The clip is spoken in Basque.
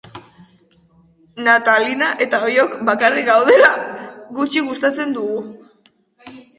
Natalina eta biok bakarrik gaudela, gutxi gastatzen dugu.